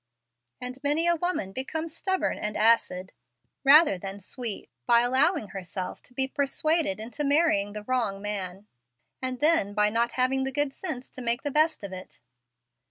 And many a woman becomes stubborn and acid, rather than sweet, by allowing herself to be persuaded into marrying the wrong man, and then by not having the good sense to make the best of it.